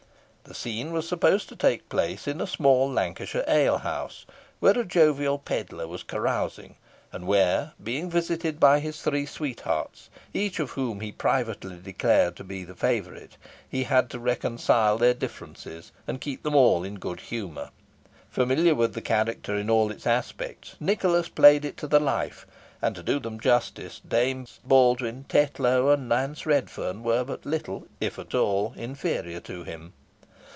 The scene was supposed to take place in a small Lancashire alehouse, where a jovial pedlar was carousing, and where, being visited by his three sweethearts each of whom he privately declared to be the favourite he had to reconcile their differences, and keep them all in good humour. Familiar with the character in all its aspects, Nicholas played it to the life; and, to do them justice, Dames Baldwyn, Tetlow, and Nance Redferne, were but little if at all inferior to him.